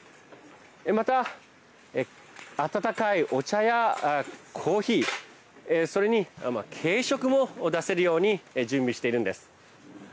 また、温かいお茶やコーヒーそれに軽食も出せるように準備しているんです。